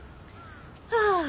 ああ。